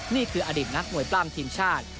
นี่คืออดีตนักมวยปล้ำทีมชาติ